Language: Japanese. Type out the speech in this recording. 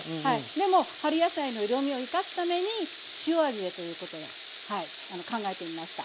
でも春野菜の色みを生かすために塩味でということではい考えてみました。